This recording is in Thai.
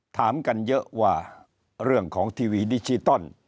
ถามกันเยอะว่าเรื่องของทีวีดิจิตอล